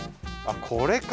これか！